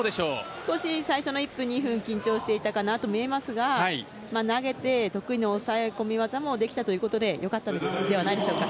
少し最初の１分、２分緊張していたかなと見えますが投げて、得意の抑え込み技もできたということでよかったのではないんでしょうか。